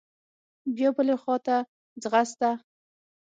بيا بلې خوا ته ځغسته.